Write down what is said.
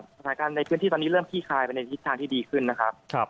สถานการณ์ในพื้นที่ตอนนี้เริ่มขี้คายไปในทิศทางที่ดีขึ้นนะครับ